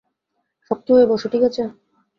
শক্ত হয়ে বসো, ঠিক আছে?